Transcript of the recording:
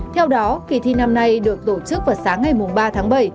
theo đó kỳ thi năm nay được tổ chức vào sáng ngày ba tháng bảy